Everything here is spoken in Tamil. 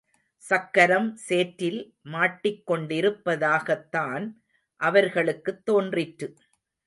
சக்கரம் சேற்றில் மாட்டிக்கொண்டிருப்பதாகத்தான் அவர்களுக்குத் தோன்றிற்று.